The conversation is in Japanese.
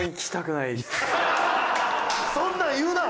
そんなん言うな！